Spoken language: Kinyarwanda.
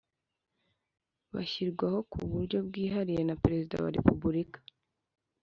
bashyirwaho ku buryo bwihariye na Perezida wa Repubulika.